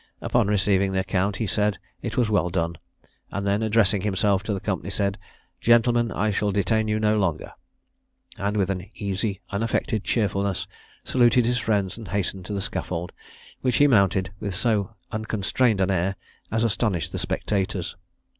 Upon receiving the account, he said it was well done; and then, addressing himself to the company, said, "Gentlemen, I shall detain you no longer;" and with an easy unaffected cheerfulness, saluted his friends, and hastened to the scaffold, which he mounted with so unconstrained an air as astonished the spectators.